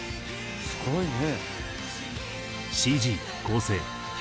「すごいね」